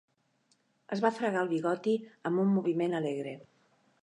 Ell es va fregar el bigoti amb un moviment alegre.